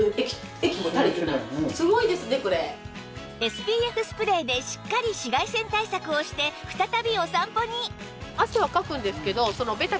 ＳＰＦ スプレーでしっかり紫外線対策をして再びお散歩に